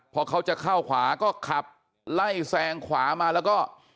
พอเขาจะเข้าขวาก็ขับไล่แซงขวามาแล้วก็